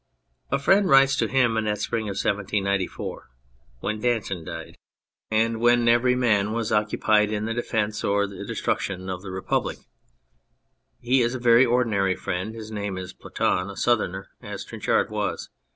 A friend writes to him in that spring of 1794 (when Danton died, and when every man was 51 E 2 On Anything occupied in the defence or in the destruction of the Republic). He is a very ordinary friend, his name is Ploton, a Southerner, as Trinchard was.